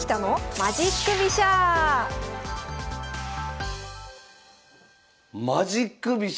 マジック飛車？